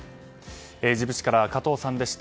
ジブチから加藤さんでした。